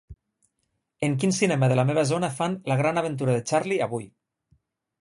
En quin cinema de la meva zona fan "La gran aventura de Charlie" avui?